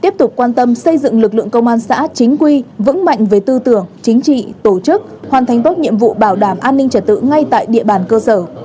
tiếp tục quan tâm xây dựng lực lượng công an xã chính quy vững mạnh về tư tưởng chính trị tổ chức hoàn thành tốt nhiệm vụ bảo đảm an ninh trật tự ngay tại địa bàn cơ sở